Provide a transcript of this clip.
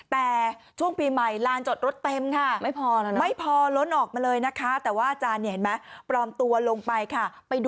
แต่ช่วงปีใหม่ลานจอดรถเต็มค่ะ